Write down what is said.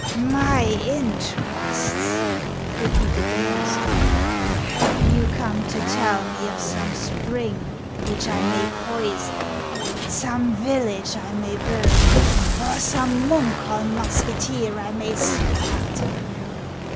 " My interests ?" repeated the monster. " Have you come to tell me of some spring which I may poison, some village I may burn, or some Munkholm musketeer I may slaughter